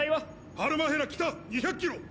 ハルマヘラ北２００キロ。